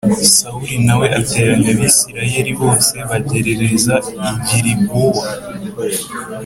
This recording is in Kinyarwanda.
sawuli na we ateranya abisirayeli bose, bagerereza i gilibowa